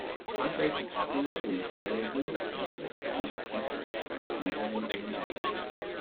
Contrary to popular belief, there is no record of her ever teaching Marilyn Monroe.